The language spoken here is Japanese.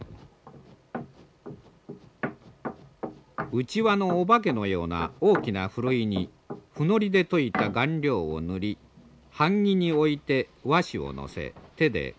うちわのお化けのような大きなふるいにふのりで溶いた顔料を塗り版木に置いて和紙を載せ手で軽くなでる。